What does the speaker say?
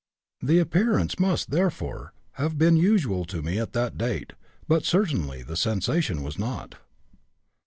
The appearance must, therefore, have been usual to me at that date, but certainly the sensation was not.)